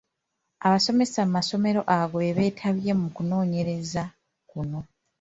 Abasomesa mu masomero ago be beetabye mu kunoonyereza kuno.